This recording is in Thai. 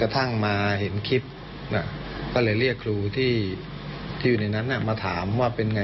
ตอนนั้นประมาณ๑๐โมงกว่า